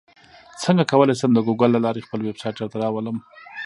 څنګه کولی شم د ګوګل له لارې خپل ویبسایټ راته راولم